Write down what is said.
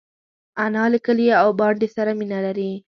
انا له کلي او بانډې سره مینه لري